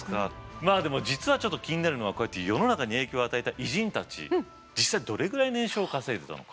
まあでも実はちょっと気になるのはこうやって世の中に影響を与えた偉人たち実際どれぐらい年収を稼いでたのか。